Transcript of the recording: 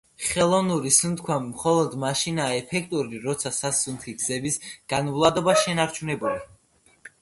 ხელოვნური სუნთქვა მხოლოდ მაშინაა ეფექტური, როცა სასუნთქი გზების განვლადობა შენარჩუნებული.